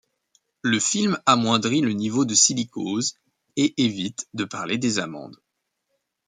Le film amoindrit le niveau de silicose, et évite de parler des amendes.